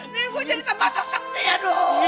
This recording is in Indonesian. nih gua jahitin masa sakitnya dulu